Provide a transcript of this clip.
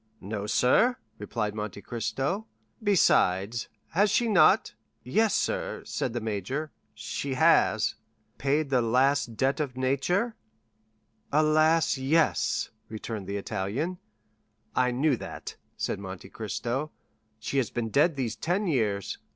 "No, sir," replied Monte Cristo; "besides, has she not——" "Yes, sir," said the major, "she has——" 30127m "Paid the last debt of nature?" "Alas, yes," returned the Italian. "I knew that," said Monte Cristo; "she has been dead these ten years."